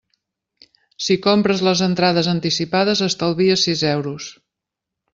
Si compres les entrades anticipades estalvies sis euros.